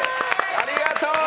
ありがとう！